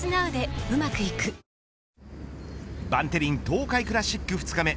東海クラシック２日目。